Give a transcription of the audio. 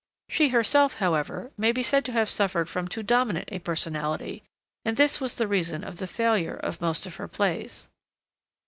She herself, however, may be said to have suffered from too dominant a personality, and this was the reason of the failure of most of her plays.